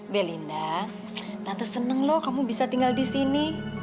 belinda tante senang loh kamu bisa tinggal di sini